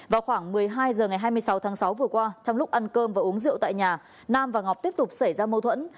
vào khoảng một mươi hai h ngày hai mươi sáu tháng sáu vừa qua trong lúc ăn cơm và uống rượu tại nhà nam và ngọc tiếp tục xảy ra mâu thuẫn